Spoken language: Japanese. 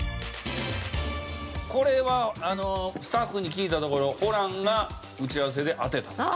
これはスタッフに聞いたところホランが打ち合わせで当てたと。